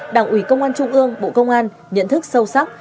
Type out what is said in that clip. đảng ủy công an trung ương bộ công an nhận thức sâu sắc